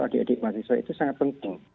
adik adik mahasiswa itu sangat penting